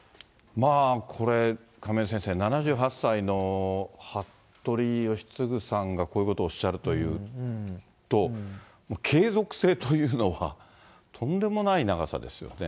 これ、亀井先生、７８歳の服部吉次さんがこういうことをおっしゃると、継続性というのは、とんでもない長さですよね。